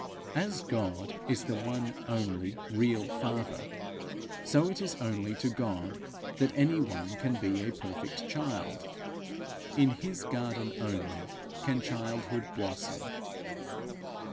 As God is the one only real father, so is it only to God that any one can be a perfect child. In his garden only can childhood blossom.